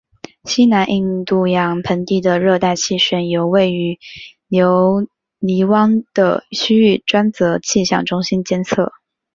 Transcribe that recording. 西南印度洋盆地的热带气旋由位于留尼汪的区域专责气象中心监测。